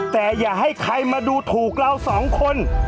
แต่อย่าให้ใครมาดูถูกเราสองคน